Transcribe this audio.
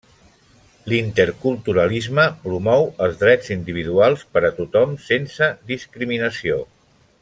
L'interculturalisme promou els drets individuals per a tothom, sense discriminació.